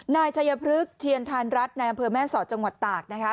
นายชัยพฤกษ์เทียนธานรัฐในอำเภอแม่สอดจังหวัดตากนะคะ